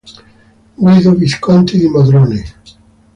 Guido Visconti di Modrone